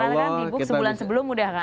rata rata kan di book sebulan sebelum sudah kan